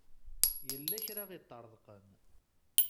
Yella kra i iṭṭreḍqen.